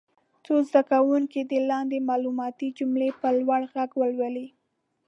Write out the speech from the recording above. څو زده کوونکي دې لاندې معلوماتي جملې په لوړ غږ ولولي.